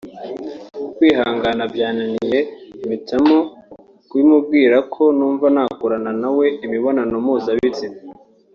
kwihangana byaraniye mpitamo kubimubwira ko numva nakorana nawe imibonanao mpuzabitsina